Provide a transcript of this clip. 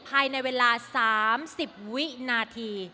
ภายในเวลาสามสิบวินาที